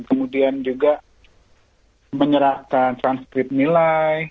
kemudian juga menyerahkan transkrip nilai